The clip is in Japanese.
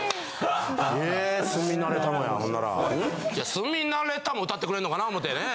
住みなれたも歌ってくれんのかなと思ってね。